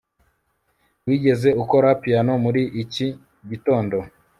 wigeze ukora piyano muri iki gitondo